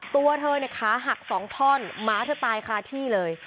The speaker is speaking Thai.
ตัวเธอเนี่ยขาหัก๒ท่อนหมาเธอตายคาที่เลย